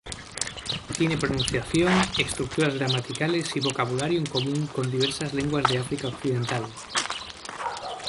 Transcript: Tiene pronunciación, estructuras gramaticales y vocabulario en común con diversas lenguas de África Occidental.